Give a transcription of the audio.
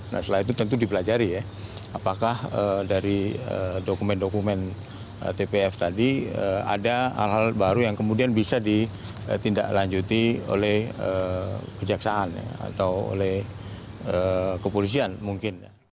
nah setelah itu tentu dipelajari ya apakah dari dokumen dokumen tpf tadi ada hal hal baru yang kemudian bisa ditindaklanjuti oleh kejaksaan atau oleh kepolisian mungkin